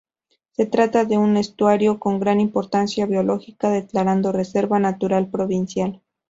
Se trata de un estuario con gran importancia biológica declarado reserva natural provincial.